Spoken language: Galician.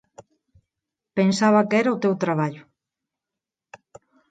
Pensaba que era o teu traballo.